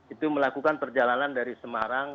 itu melakukan perjalanan dari semarang